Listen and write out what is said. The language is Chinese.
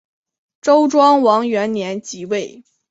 周庄王元年即位。